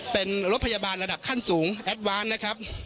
เป็นรถพยาบาลระดับขั้นสูงแอดวานนะครับ